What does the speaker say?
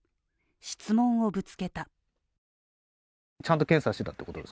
質問をぶつけた。